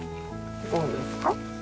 どうですか？